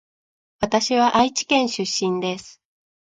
わたしは愛知県出身です